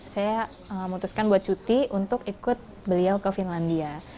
saya memutuskan buat cuti untuk ikut beliau ke finlandia